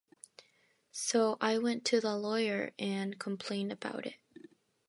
So I went to the lawyer and complained about it.